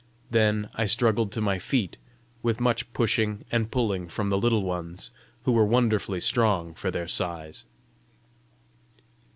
Then I struggled to my feet, with much pushing and pulling from the Little Ones, who were wonderfully strong for their size.